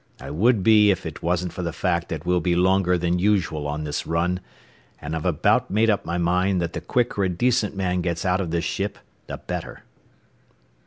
I would be if it wasn't for the fact that we'll be longer than usual on this run, and I've about made up my mind that the quicker a decent man gets out of this ship, the better."